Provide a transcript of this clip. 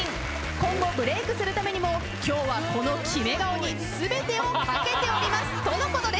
今後ブレークするためにも今日はこの決め顔に全てをかけておりますとのことです。